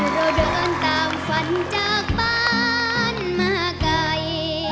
รัมดื้อตามฝันจากบ้านมหกาย